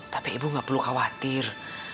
tapi ibu gak perlu khawatir